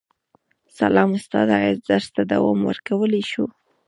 سلام استاده ایا درس ته دوام ورکولی شو